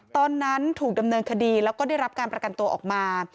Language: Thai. ตอนนั้นถูกดำเนินคดีแล้วก็ได้รับการประกันตัวออกมา